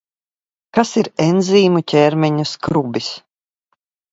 Kas ir enzīmu ķermeņa skrubis?